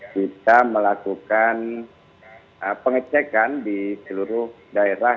kita melakukan pengecekan di seluruh daerah